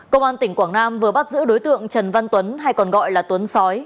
công an tp hcm vừa bắt giữ đối tượng trần văn tuấn hay còn gọi là tuấn sói